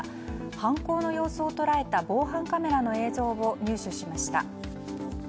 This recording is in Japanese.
犯行の様子を捉えた防犯カメラの映像を入手しました。